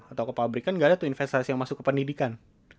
atau ke pabrikan nggak ada tuh investasi yang masuk ke pendidikan